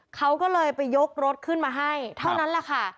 เขาก็เลยไปยกรถขึ้นมาให้เท่านั้นแหละค่ะ